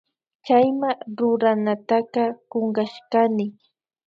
Chayma ruranataka kunkashkani